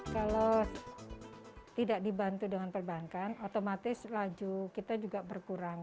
kalau tidak dibantu dengan perbankan otomatis laju kita juga berkurang